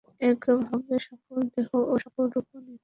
একভাবে সকলদেহ এবং সকলরূপও নিত্য।